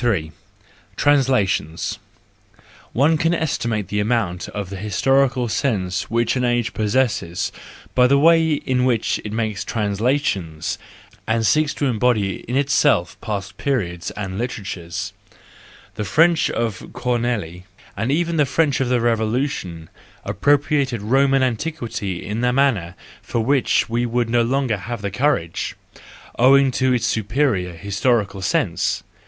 Translations .—One can estimate the amount of the historical sense which an age possesses by the way in which it makes translations and seeks to embody in itself past periods and literatures. The French of Corneille, and even the French of the Revolution, appropriated Roman antiquity in a manner for which we would no longer have the courage—owing to our superior historical sense.